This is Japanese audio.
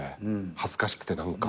恥ずかしくて何か。